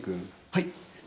はい。